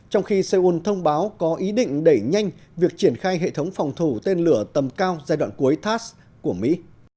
trong khi seoul thông báo có ý định đẩy nhanh việc triển khai hệ thống phòng thủ tên lửa tầm cao giai đoạn cuối tass của mỹ